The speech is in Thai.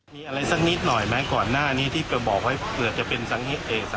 มีอะไรสักนิดหน่อยไหมก่อนหน้านี้ที่บอกว่าเผื่อจะเป็นสาเหตุได้